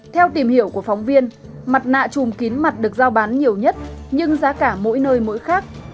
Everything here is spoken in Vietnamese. theo tìm hiểu của phóng viên mặt nạ chùm kín mặt được giao bán nhiều nhất nhưng giá cả mỗi nơi mỗi khác